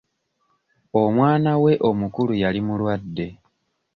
Omwano we omukulu yali mulwadde.